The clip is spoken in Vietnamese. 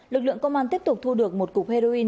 lực lượng công an tiếp tục thu được một cục heroin